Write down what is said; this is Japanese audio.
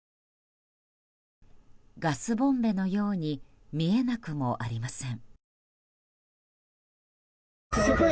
ガスボンベのように見えなくもありません。